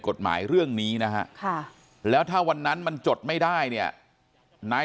กฎหมายเรื่องนี้นะฮะแล้วถ้าวันนั้นมันจดไม่ได้เนี่ยนาย